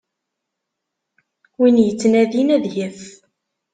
Win yettnadin ad yaf.